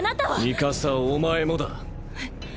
ミカサお前もだ！え？